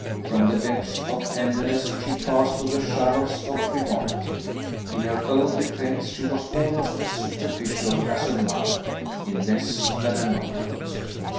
From the depths of tenderness she passed to the shallows of frivolity. In her own defense she was almost as superficial as her mother, in less than a moment.